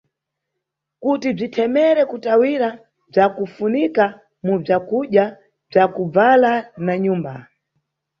Kuti bzithemere kutawira bzakufunika mu bzakudya, bzakubvala na nyumba.